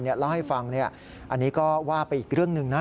เล่าให้ฟังอันนี้ก็ว่าไปอีกเรื่องหนึ่งนะ